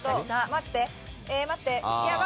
待って待って違う